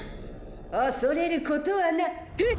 おそれることはな。えっ？